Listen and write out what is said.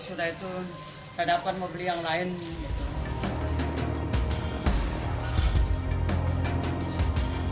sudah itu kita dapat mau beli yang lain gitu